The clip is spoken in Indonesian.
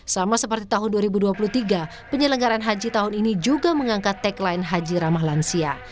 sama seperti tahun dua ribu dua puluh tiga penyelenggaran haji tahun ini juga mengangkat tagline haji ramah lansia